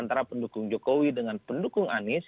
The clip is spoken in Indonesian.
antara pendukung jokowi dengan pendukung anies